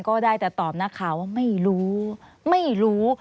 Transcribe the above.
ก็ได้แต่ตอบนักข่าวว่าไม่รู้ไม่รู้